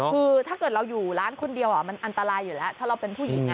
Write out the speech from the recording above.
คือถ้าเกิดเราอยู่ร้านคนเดียวมันอันตรายอยู่แล้วถ้าเราเป็นผู้หญิง